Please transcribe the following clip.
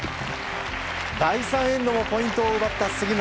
第３エンドもポイントを奪った杉村。